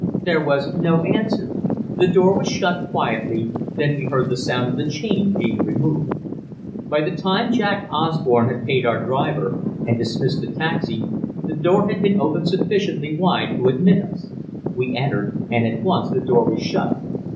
There was no answer. The door was shut quietly. Then we heard the sound of the chain being removed. By the time Jack Osborne had paid our driver, and dismissed the taxi, the door had been opened sufficiently wide to admit us. We entered, and at once the door was shut.